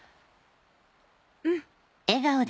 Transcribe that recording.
うん！